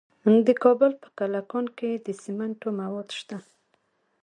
د کابل په کلکان کې د سمنټو مواد شته.